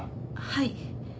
はい。